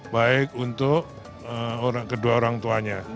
baik untuk kedua orang tuanya